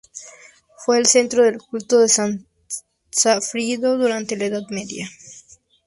Fue el centro del culto de San Sigfrido durante la Edad Media.